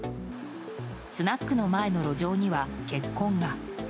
スナックの前の路上には血痕が。